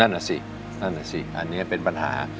นั่นน่ะสิอันนี้เป็นปัญหา